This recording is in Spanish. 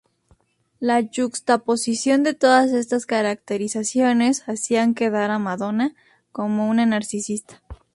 La yuxtaposición de todas estas caracterizaciones hacían quedar a Madonna como una narcisista.